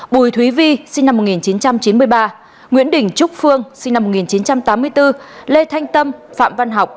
bùi thúy vi sinh năm một nghìn chín trăm chín mươi ba nguyễn đình trúc phương sinh năm một nghìn chín trăm tám mươi bốn lê thanh tâm phạm văn học